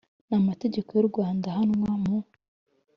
n amategeko y u Rwanda ahanwa mu